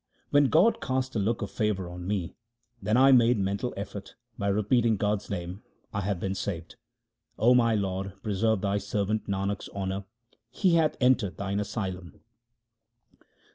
When God cast a look of favour on me, then I made mental effort ; by repeating God's name I have been saved. O my Lord, preserve Thy servant Nanak's honour ; he hath entered Thine asylum.